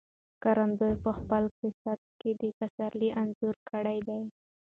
ښکارندوی په خپله قصیده کې د پسرلي انځور کړی دی.